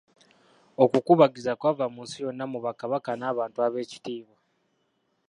Okukubagiza kwava mu nsi yonna mu bakabaka n'abantu ab'ekitiibwa.